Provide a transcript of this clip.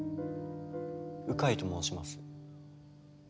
鵜飼と申します。